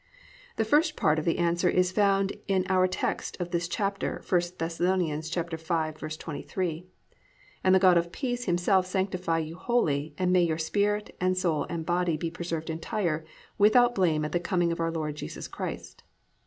1. The first part of the answer is found in our text of this chapter, I Thess. 5:23, +"And the God of Peace himself sanctify you wholly and may your Spirit and soul and body be preserved entire, without blame at the coming of our Lord Jesus Christ."